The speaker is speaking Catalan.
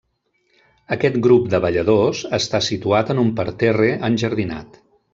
Aquest grup de balladors està situat en un parterre enjardinat.